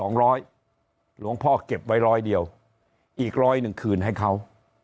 หลวงพ่อเก็บไว้ร้อยเดียวอีกร้อยหนึ่งคืนให้เขา